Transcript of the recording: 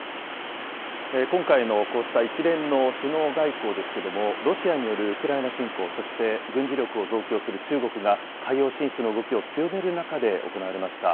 今回のこうした一連の首脳外交ですけれども、ロシアによるウクライナ侵攻、そして軍事力を増強する中国が、海洋進出の動きを強める中で行われました。